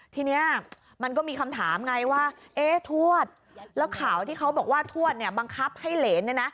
ทีนี้มันก็มีคำถามไงว่าเอ๊ะทวดแล้วข่าวที่เขาบอกว่าทวดเนี่ยบังคับให้เหรน